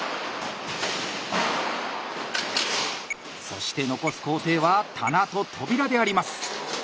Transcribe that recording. そして残す工程は棚と扉であります。